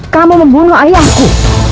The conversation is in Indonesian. kamu membunuh ayahku